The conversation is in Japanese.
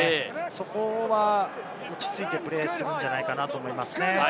ここは落ち着いてプレーするんじゃないかなと思いますね。